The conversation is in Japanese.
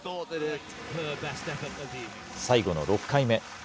最後の６回目。